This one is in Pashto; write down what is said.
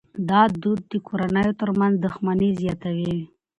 دا دود د کورنیو ترمنځ دښمني زیاتوي.